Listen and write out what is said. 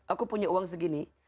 aku punya uang segini